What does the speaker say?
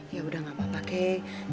yaudah gak apa apa kek